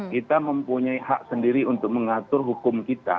kita mempunyai hak sendiri untuk mengatur hukum kita